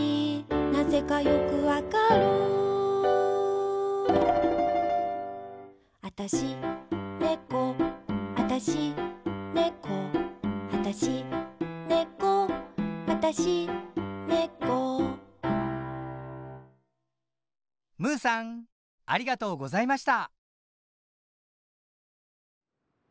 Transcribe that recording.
なぜかよくわかるあたし、ねこあたし、ねこあたし、ねこあたし、ねこむぅさんありがとうございました。